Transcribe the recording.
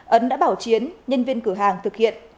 ấn đã bảo chiến nhân viên cửa hàng thực hiện